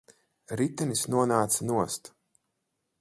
Ritenis nonāca nost.